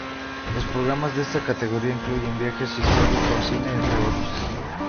Los programas de esta categoría incluyen viajes, historia, cocina, entre otros.